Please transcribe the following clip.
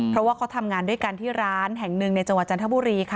เพราะว่าเขาทำงานด้วยกันที่ร้านแห่งหนึ่งในจังหวัดจันทบุรีค่ะ